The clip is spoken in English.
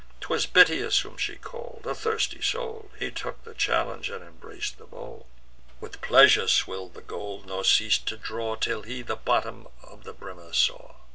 'Twas Bitias whom she call'd, a thirsty soul; He took the challenge, and embrac'd the bowl, With pleasure swill'd the gold, nor ceas'd to draw, Till he the bottom of the brimmer saw.